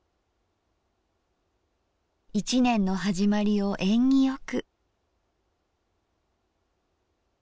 一年の始まりを縁起よく。